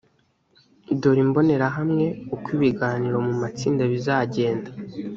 dore imbonerahamwe uko ibiganiro mu matsinda bizagenda